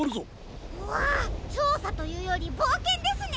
うわちょうさというよりぼうけんですね！